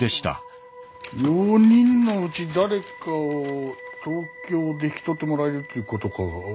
４人のうち誰かを東京で引き取ってもらえるっちゅうことか。